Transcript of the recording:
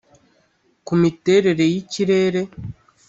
kumiterere y’ikirere